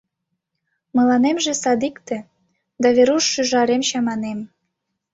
Мыланемже садикте, да Веруш шӱжарем чаманем.